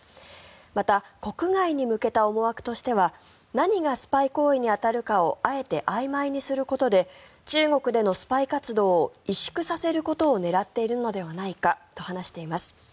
また、国外に向けた思惑としては何がスパイ行為に当たるかをあえてあいまいにすることで中国でのスパイ活動を萎縮させることを狙っているのではないかと話しています。